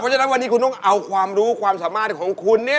ฉะนั้นวันนี้คุณต้องเอาความรู้ความสามารถของคุณเนี่ย